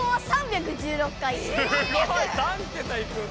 すごい！３ケタいくんだ。